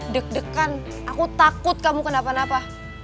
deg degan aku takut kamu kenapa napa